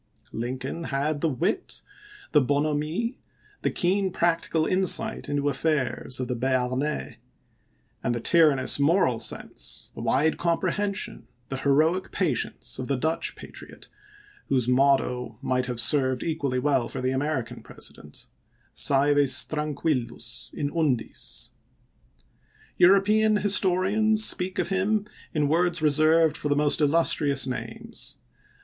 Lincoln had the wit, the bonhomie, the keen, practical insight into affairs of the Bearnais; and the tyrannous moral sense, the wide comprehension, the heroic patience of the Dutch patriot, whose motto might have served equally well for the American President — Sc&vis tranquillus in undis. European historians speak of him in words reserved for the most illustrious names.